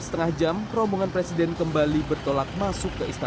oke enggak saya kesana aja saya beli itu aja pak ada ada